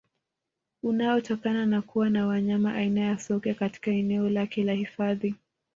Unaotokana na kuwa na wanyama aina ya Sokwe katika eneo lake la hifadhi